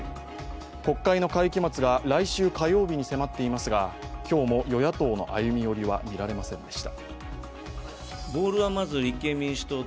国会の会期末が来週火曜日に迫っていますが今日も与野党の歩み寄りは見られませんでした。